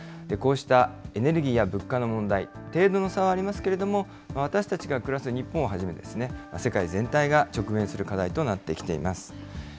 こうしたエネルギーや物価の問題、程度の差はありますけれども、私たちが暮らす日本をはじめ、世界全体が直面する課題となってきています。